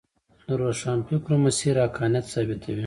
د روښانفکرو مسیر حقانیت ثابتوي.